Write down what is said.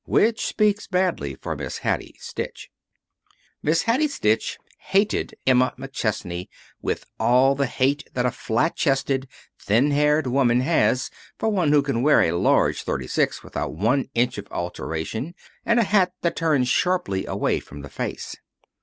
Which speaks badly for Miss Hattie Stitch. Miss Hattie Stitch hated Emma McChesney with all the hate that a flat chested, thin haired woman has for one who can wear a large thirty six without one inch of alteration, and a hat that turns sharply away from the face.